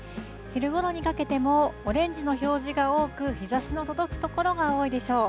昼ごろにかけても、オレンジの表示が多く、日ざしの届く所が多いでしょう。